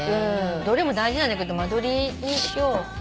どれも大事なんだけど「間取り」にしよう。